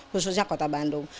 khususnya kota bandung